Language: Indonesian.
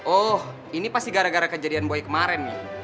oh ini pasti gara gara kejadian buaya kemarin nih